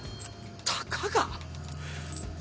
たかが？